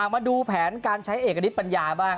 มาดูแผนการใช้เอกณิตปัญญาบ้าง